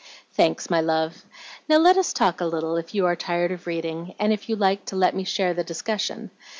"Thanks, my love. Now let us talk a little, if you are tired of reading, and if you like to let me share the discussion.